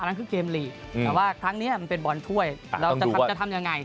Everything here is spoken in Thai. นั่นคือเกมลีกแต่ว่าครั้งนี้มันเป็นบอลถ้วยเราจะทำยังไง